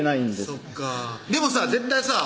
そっかでもさ絶対さ